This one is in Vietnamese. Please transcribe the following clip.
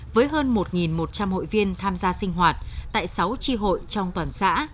với hơn một một trăm linh hội viên tham gia sinh hoạt tại sáu tri hội trong toàn xã